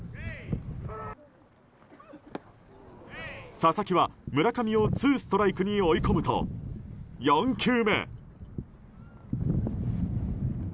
佐々木は村上をツーストライクに追い込むと４球目。